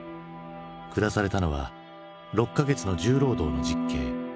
下されたのは６か月の重労働の実刑。